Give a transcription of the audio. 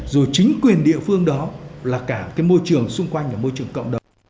rồi chính quyền địa phương đó là cả cái môi trường xung quanh và môi trường cộng đồng